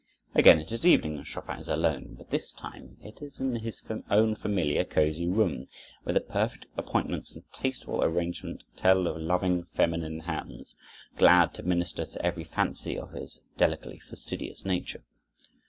Again it is evening and Chopin is alone, but this time it is in his own familiar, cozy room, where the perfect appointments and tasteful arrangement tell of loving feminine hands, glad to minister to every fancy of his delicately fastidious nature.